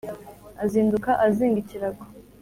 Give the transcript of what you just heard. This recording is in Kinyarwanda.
azinduka azinga ikirago